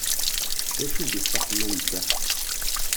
D acu i d-iṣaḥen ameddaḥ?